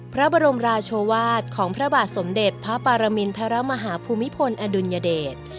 พระบรมราชวาสของพระบาทสมเด็จพระปรมินทรมาฮาภูมิพลอดุลยเดช